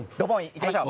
いきましょう。